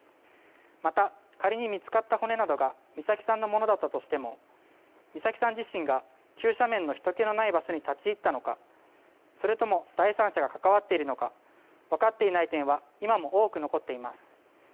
また、仮に見つかった骨などが美咲さんのものだったとしても美咲さん自身が急斜面のひとけのない場所に立ち入ったのか、それとも第三者が関わっているのか分かっていない点は今も多く残っています。